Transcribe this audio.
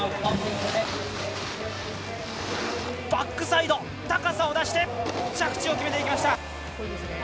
バックサイド、高さを出して着地を決めていきました。